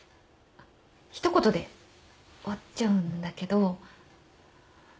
一言で終わっちゃうんだけど。